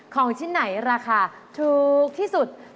ของชิ้นไหนราคาถูกที่สุด